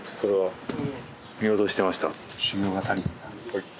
はい。